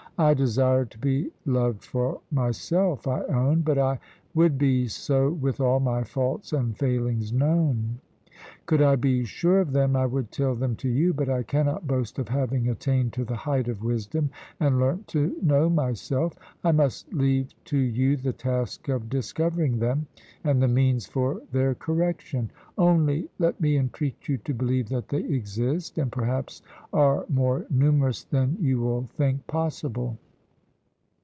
"I desire to be loved for myself, I own, but I would be so with all my faults and failings known. Could I be sure of them I would tell them to you, but I cannot boast of having attained to the height of wisdom, and learnt to know myself. I must leave to you the task of discovering them, and the means for their correction; only let me entreat you to believe that they exist, and perhaps are more numerous than you will think possible."